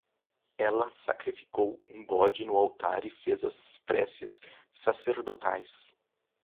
Ela sacrificou um bode no altar e fez as preces sacerdotais